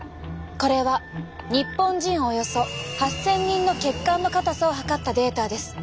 これは日本人およそ８，０００人の血管の硬さを測ったデータです。